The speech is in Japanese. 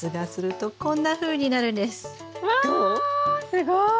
すごい。